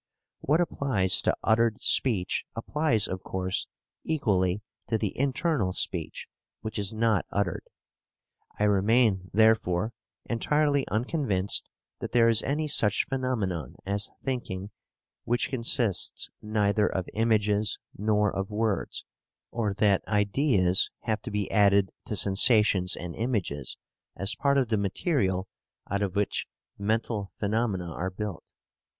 What applies to uttered speech applies of course equally to the internal speech which is not uttered. I remain, therefore, entirely unconvinced that there is any such phenomenon as thinking which consists neither of images nor of words, or that "ideas" have to be added to sensations and images as part of the material out of which mental phenomena are built.